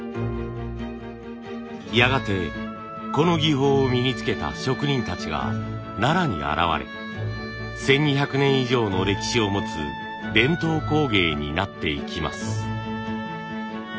やがてこの技法を身につけた職人たちが奈良に現れ１，２００年以上の歴史を持つ伝統工芸になっていきます。